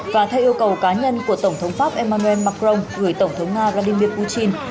và theo yêu cầu cá nhân của tổng thống pháp emmanuel macron gửi tổng thống nga vladimir putin